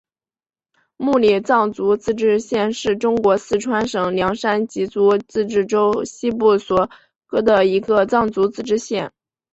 木里藏族自治县是中国四川省凉山彝族自治州西部所辖的一个藏族自治县。